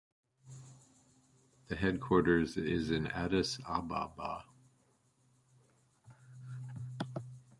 The headquarters is in Addis Ababa.